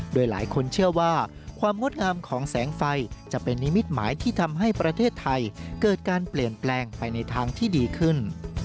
โดยหลายคนเชื่อว่าความงดงามของแสงไฟจะเป็นนิมิตหมายที่ทำให้ประเทศไทยเกิดการเปลี่ยนแปลงไปในทางที่ดีขึ้น